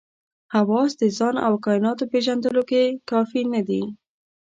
حواس د ځان او کایناتو پېژندلو کې کافي نه دي.